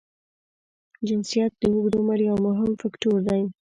جنسیت د اوږد عمر یو مهم فاکټور دی.